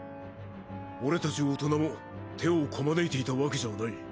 俺たち大人も手をこまねいていたわけじゃない。